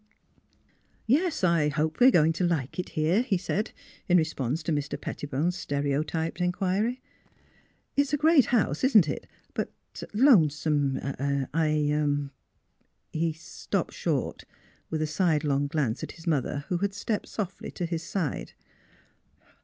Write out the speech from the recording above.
'' Yes, I hope we're going to like it here," he said, in response to Mr. Pettibone 's stereotyped inquiry. ''It's a great house; isn't it? But — lonesome — eh? I " He stopped short, with a sidelong glance at his mother, who had stepped softly to his side.